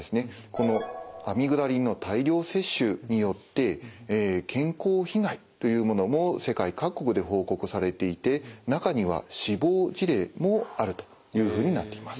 このアミグダリンの大量摂取によって健康被害というものも世界各国で報告されていて中には死亡事例もあるというふうになっています。